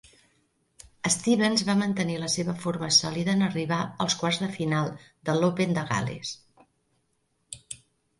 Stevens va mantenir la seva forma sòlida en arribar als quarts de final de L'Open de Gal·les.